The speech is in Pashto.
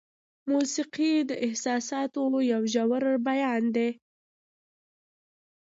موسیقي د احساساتو یو ژور بیان دی.